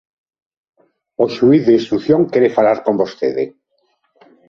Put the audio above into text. O xuíz de instrución quere falar con vostede…